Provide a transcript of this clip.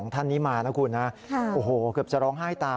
ท่านนี้มานะคุณนะโอ้โหเกือบจะร้องไห้ตาม